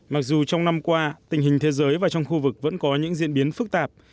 mặc dù trong năm qua tình hình thế giới và trong khu vực vẫn có những diễn biến phức tạp